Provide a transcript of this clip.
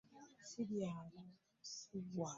Lwaki abaana abato balimba nnyo bazadde baabwe.